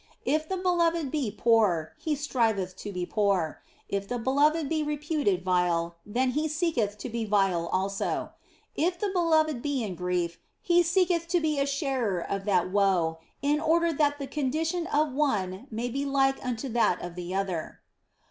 If the beloved be poor, he striveth to be poor ; if the beloved be reputed vile, then he seeketh to be vile also ; if the beloved be in grief, he seeketh to be a sharer of that woe, in order that the condition of one may be like unto that of the other.